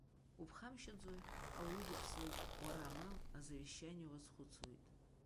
Уԥхамшьаӡои, ауаҩы дыԥсуеит, уара амал, азавешьчание уазхәыцуеит.